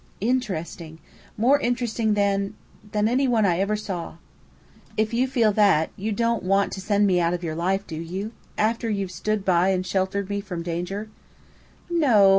"Interesting. More interesting than than any one I ever saw." "If you feel that, you don't want to send me out of your life, do you? after you've stood by and sheltered me from danger?" "No o.